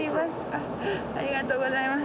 ありがとうございます。